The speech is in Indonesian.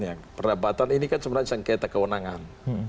yang perdebatan ini kan sebenarnya sengketa kewenangan